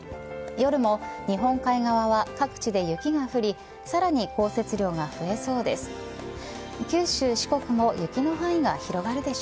夜も日本海側は各地で雪が降り、さらに降雪量が増えそうです。